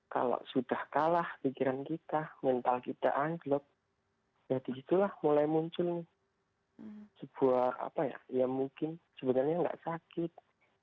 kalau sudah kalah pikiran kita mental kita angklok ya disitulah mulai muncul sebuah apa ya ya mungkin sebenarnya nggak sakit